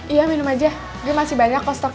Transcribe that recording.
iya minum aja gue masih bayar kekostoknya